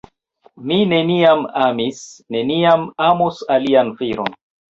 Mi neniam amis, neniam amos alian viron.